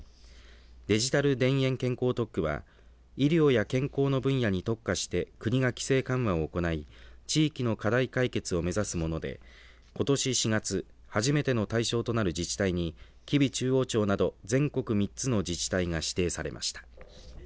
デジタル田園健康特区は医療や健康の分野に特化して国が規制緩和を行い地域の課題解決を目指すものでことし４月、初めての対象となる自治体に吉備中央町など全国３つの自治体が指定されました。